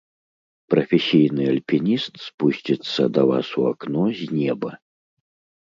Прафесійны альпініст спусціцца да вас у акно з неба.